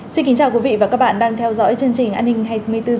xin kính chào quý vị và các bạn đang theo dõi chương trình an ninh hai mươi bốn h